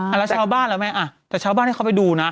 อ่าแล้วชาวบ้านแล้วไหมแต่ชาวบ้านให้เขาไปดูนะ